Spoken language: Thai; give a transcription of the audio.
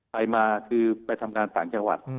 ไปมาคือไปทำงานต่างจังหวัด